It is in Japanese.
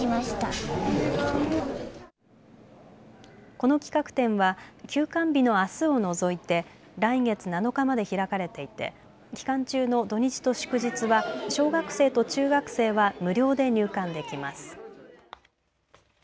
この企画展は休館日のあすを除いて来月７日まで開かれていて期間中の土日と祝日は小学生と中学生は無料で入館できます。